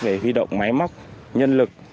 về huy động máy móc nhân lực